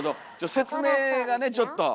説明がねちょっと。